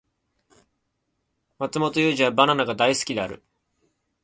マツモトユウジはバナナが大好きである